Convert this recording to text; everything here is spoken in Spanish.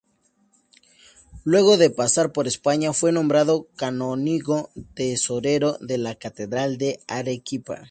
Luego de pasar por España fue nombrado canónigo tesorero de la catedral de Arequipa.